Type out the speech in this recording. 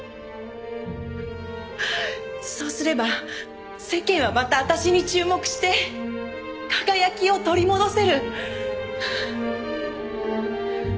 そうすれば世間はまた私に注目して輝きを取り戻せる。